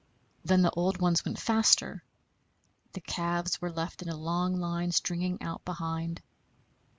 Then the old ones went faster; the calves were left in a long line stringing out behind.